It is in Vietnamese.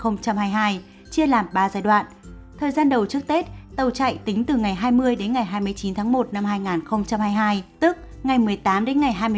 thời gian đầu trước tết tàu chạy tính từ ngày hai mươi hai mươi chín một hai nghìn hai mươi hai tức ngày một mươi tám hai mươi bảy một mươi hai